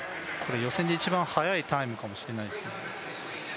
予選で一番速いタイムかもしれませんね。